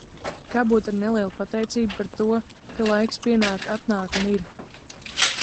Kā būtu ar nelielu pateicību par to, ka laiks pienāk, atnāk un ir?